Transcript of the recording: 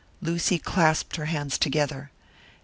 Lucy clasped her hands together.